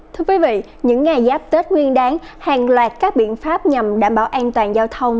thưa quý vị những ngày giáp tết nguyên đáng hàng loạt các biện pháp nhằm đảm bảo an toàn giao thông